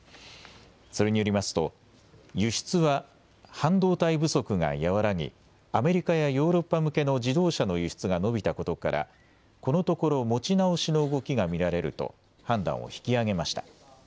それによりますと輸出は半導体不足が和らぎアメリカやヨーロッパ向けの自動車の輸出が伸びたことからこのところ持ち直しの動きが見られると判断を引き上げました。